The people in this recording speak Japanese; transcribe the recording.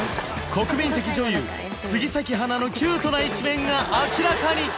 国民的女優・杉咲花のキュートな一面が明らかに！